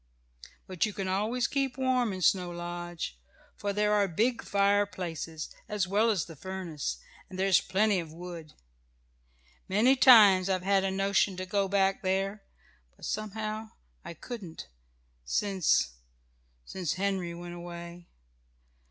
"But you can always keep warm in Snow Lodge, for there are big fireplaces, as well as the furnace, and there is plenty of wood. Many times I've had a notion to go back there, but somehow I couldn't, since since Henry went away.